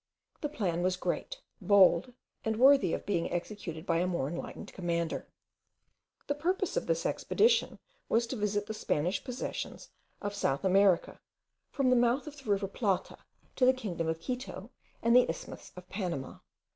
The plan was great, bold, and worthy of being executed by a more enlightened commander. The purpose of this expedition was to visit the Spanish possessions of South America, from the mouth of the river Plata to the kingdom of Quito and the isthmus of Panama.